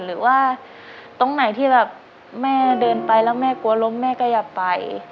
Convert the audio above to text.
หรือว่าตรงไหนที่แบบแม่เดินไปแล้วแม่กลัวล้มแม่ก็อย่าไป